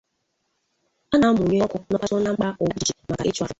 a na-amụnye ọkụ nọkaụtụ na mpaghara ụwa dị iche iche maka ịchụ afọ